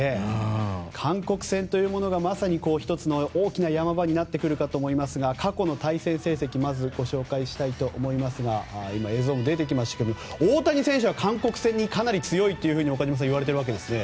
韓国戦というものがまさに１つの大きな山場になってくると思いますが過去の対戦成績をまずご紹介したいと思いますが今、映像も出てきましたが大谷選手は韓国戦にかなり強いと、岡島さんいわれているわけですね。